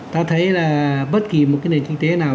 ta thấy là bất kỳ một cái nền kinh tế nào